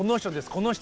この人